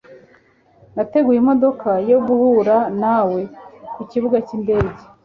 Nateguye imodoka yo guhura nawe kukibuga cyindege.